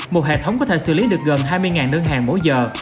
một hệ thống có thể xử lý được gần hai mươi đơn hàng mỗi giờ